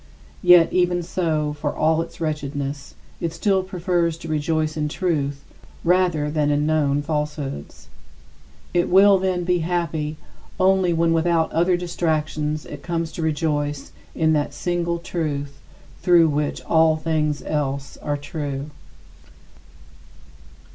Yet even so, for all its wretchedness, it still prefers to rejoice in truth rather than in known falsehoods. It will, then, be happy only when without other distractions it comes to rejoice in that single Truth through which all things else are true.